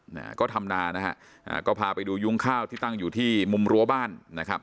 นะฮะก็ทำนานะฮะอ่าก็พาไปดูยุ้งข้าวที่ตั้งอยู่ที่มุมรั้วบ้านนะครับ